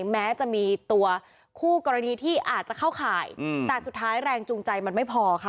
แม้จะมีตัวคู่กรณีที่อาจจะเข้าข่ายแต่สุดท้ายแรงจูงใจมันไม่พอค่ะ